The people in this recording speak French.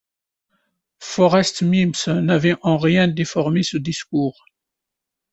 Forrest Mims n'avait en rien déformé ce discours.